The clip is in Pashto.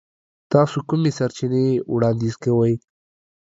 تاسو کومې سرچینې وړاندیز کوئ؟